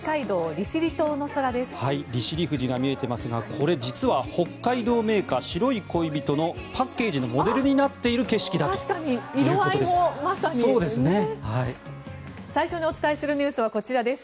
利尻富士が見えていますがこれ、実は北海道銘菓白い恋人のパッケージのモデルになっている景色だということです。